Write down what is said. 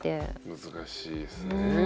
難しいですね。